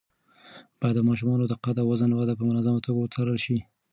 باید د ماشومانو د قد او وزن وده په منظمه توګه وڅارل شي.